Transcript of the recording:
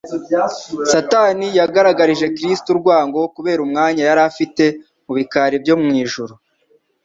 Satani yagaragarije Kristo urwango kubera umwanya yari afite mu bikari byo mu ijuru.